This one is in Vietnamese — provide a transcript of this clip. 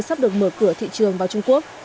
sắp được mở cửa thị trường vào trung quốc